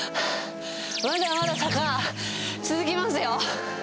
まだまだ坂が続きますよ。